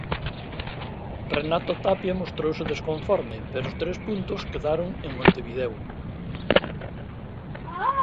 Renato Tapia mostrouse desconforme pero os tres puntos quedaron en Montevideo.